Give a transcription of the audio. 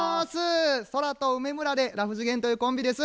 空と梅村でラフ次元というコンビです。